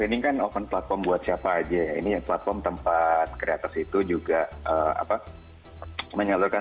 ini kan open platform buat siapa aja ini yang platform tempat kreatif itu juga apa menyalurkan